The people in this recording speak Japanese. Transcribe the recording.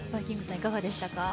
いかがでしたか？